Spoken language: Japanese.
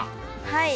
はい。